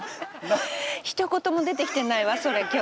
ひと言も出てきてないわそれ今日。